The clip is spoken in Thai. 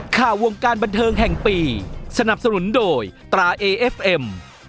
ข่าววงการบันเทิงแห่งปีสนับสนุนโดยตราเอเอฟเอ็ม